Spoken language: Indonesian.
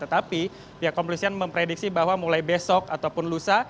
tetapi pihak kepolisian memprediksi bahwa mulai besok ataupun lusa